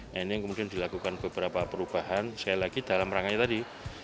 nah ini yang kemudian dilakukan beberapa perubahan sekali lagi dalam rangkai tadi